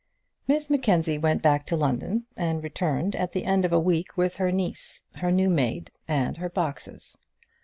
Miss Mackenzie went back to London, and returned at the end of a week with her niece, her new maid, and her boxes.